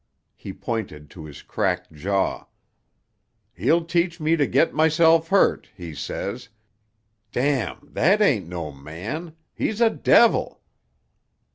He pointed to his cracked jaw. "He'll teach me to get myself hurt, he says. ——! That ain't no man; he's a devil!